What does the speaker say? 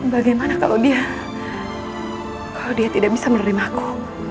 bagaimana kalau dia tidak bisa menerima aku